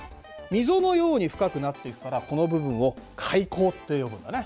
溝のように深くなっていくからこの部分を海溝と呼ぶんだね。